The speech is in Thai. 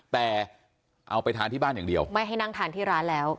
แต่เอาไปทานที่บ้านอย่างเดียวไม่ให้นั่งทานที่ร้านแล้ว